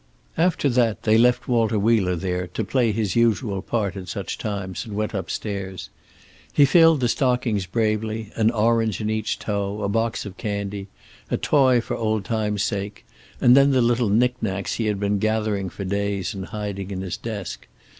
After that they left Walter Wheeler there, to play his usual part at such times, and went upstairs. He filled the stockings bravely, an orange in each toe, a box of candy, a toy for old time's sake, and then the little knickknacks he had been gathering for days and hiding in his desk.